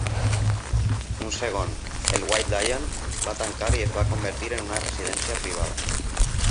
Un segon, el White Lion, va tancar i es va convertir en una residència privada.